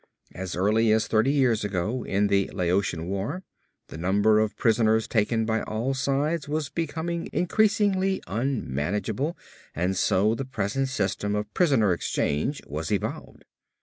As early as thirty years ago, in the Laotian War, the number of prisoners taken by all sides was becoming increasingly unmanageable and so the present system of prisoner exchange was evolved.